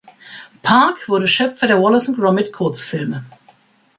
Park wurde Schöpfer der Wallace and Gromit-Kurzfilme.